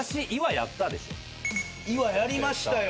岩やりましたよ